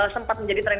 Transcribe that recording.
sempat menjadi training